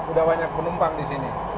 udah banyak penumpang di sini